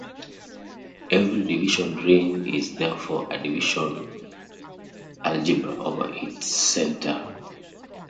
Every division ring is therefore a division algebra over its center.